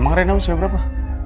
emang reina usia berapa